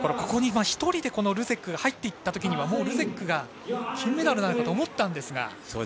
ここに１人でルゼックが入っていったときにはルゼックが金メダルなのかと思ったんですが。